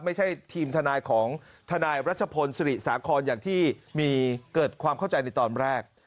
ไม่ใช่ทีมทนายของทนายรัชพลศิริสาครอย่างที่มีเกิดความเข้าใจในตอนแรก